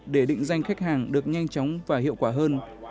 để định danh khách hàng được nhanh chóng và hiệu quả hơn